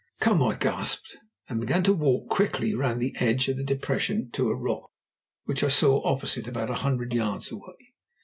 "Come," I gasped, and began to walk quickly round the edge of the depression to a rock, which I saw opposite about a hundred yards away.